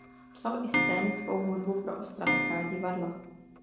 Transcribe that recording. Psal i scénickou hudbu pro ostravská divadla.